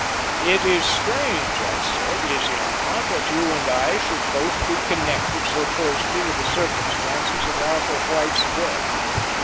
"It is strange," I said, "is it not, that you and I should both be connected so closely with the circumstances of Arthur White's death?"